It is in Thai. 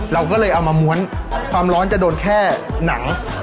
เราก็เลยเอามาม้วนความร้อนจะโดนแค่หนัง